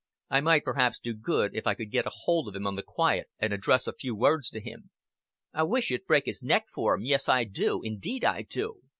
"I might perhaps do good, if I could get hold of him on the quiet and address a few words to him." "I wish you'd break his neck for him, yes, I do, indeed I do.